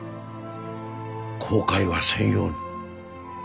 後悔はせんように。